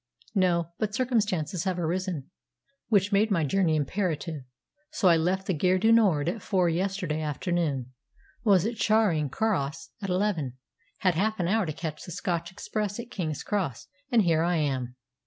"No; but circumstances have arisen which made my journey imperative, so I left the Gare du Nord at four yesterday afternoon, was at Charing Cross at eleven, had half an hour to catch the Scotch express at King's Cross, and here I am."